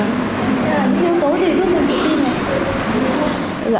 nhưng bố thì chút còn tự tin hả